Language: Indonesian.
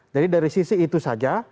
jadi dari sisi itu saja